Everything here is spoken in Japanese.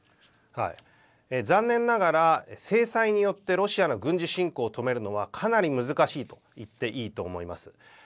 残念ながら、制裁によってロシアの軍事侵攻を止めるのはかなり難しいと言っていいと思います。